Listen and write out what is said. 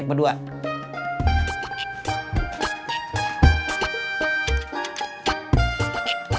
tidak ada yang percaya kita lihat aja